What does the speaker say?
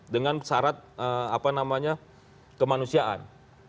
dengan syarat kemanusiaan